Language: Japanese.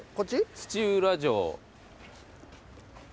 土浦城。